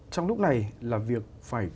trong lúc này là việc phải